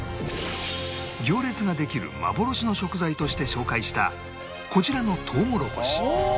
行列ができる幻の食材として紹介したこちらのとうもろこし